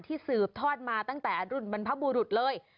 ที่สืบทอดมาตั้งแต่อดุลบรรพบูรุษเลย